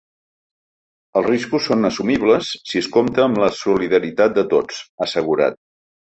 Els riscos són assumibles si es compta amb la solidaritat de tots, ha assegurat.